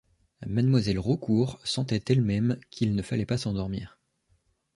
Mlle Raucourt sentait elle-même qu'il ne fallait pas s'endormir.